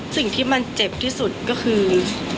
สิ่งที่มันเจ็บที่สุดก็คือ